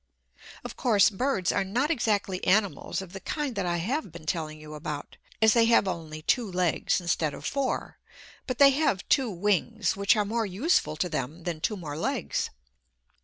Of course, birds are not exactly animals of the kind that I have been telling you about, as they have only two legs, instead of four. But they have two wings, which are more useful to them than two more legs.